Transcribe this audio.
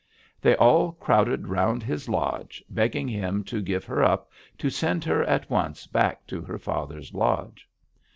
They all crowded around his lodge, begging him to give her up, to send her at once back to her father's lodge.